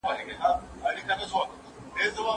پښتو نه ده